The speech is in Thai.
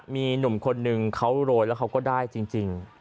มีหนุ่มคนนึงเขาโรยแล้วเขาก็ได้จริง